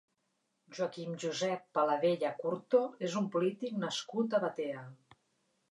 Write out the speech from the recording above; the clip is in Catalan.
Joaquim Josep Paladella Curto és un polític nascut a Batea.